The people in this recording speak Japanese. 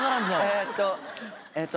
えっとえっと。